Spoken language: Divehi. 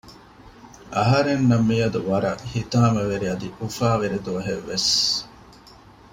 އަހަރެންނަށް މިއަދު ވަރަށް ހިތާމަވެރި އަދި އުފާވެރި ދުވަހެއް ވެސް